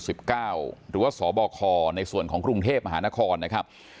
หรือว่าสบคในส่วนของกรุงเทพมหานครนะครับ